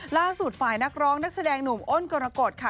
ล่าสุดฝ่ายนักร้องนักแสดงหนุ่มอ้นกรกฎค่ะ